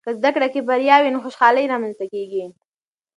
که زده کړه کې بریا وي، نو خوشحالۍ رامنځته کېږي.